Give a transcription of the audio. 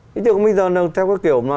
thế thì bây giờ theo kiểu